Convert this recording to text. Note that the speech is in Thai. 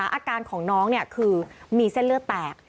อาการของน้องคือมีเส้นเลือดแตก